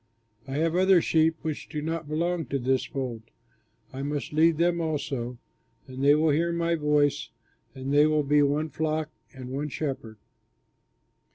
I have other sheep which do not belong to this fold; I must lead them also, and they will hear my voice, and they will be one flock and one shepherd."